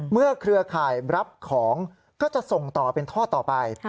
เครือข่ายรับของก็จะส่งต่อเป็นท่อต่อไป